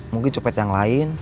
mungkin copet yang lain